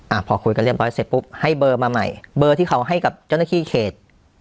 พอคุยกันเรียบร้อยเสร็จปุ๊บให้เบอร์มาใหม่เบอร์ที่เขาให้กับเจ้าหน้าที่เขต